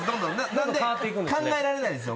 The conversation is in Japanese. なので考えられないんですよ。